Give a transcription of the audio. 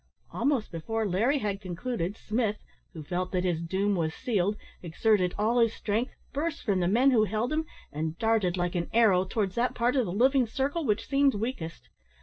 Almost before Larry had concluded, Smith, who felt that his doom was sealed, exerted all his strength, burst from the men who held him, and darted like an arrow towards that part of the living circle which seemed weakest.